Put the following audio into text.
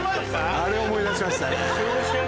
あれを思い出しましたね。